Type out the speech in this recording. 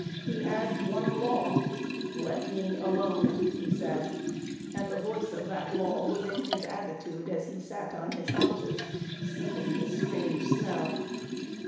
He had one law: "Let me alone!" he said, and the voice of that law was in his attitude as he sat on his haunches sniffing the strange smell.